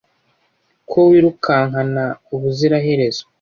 ko wirukankana ubuziraherezo